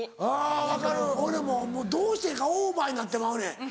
あぁ分かる俺もどうしてかオーバーになってまうねん。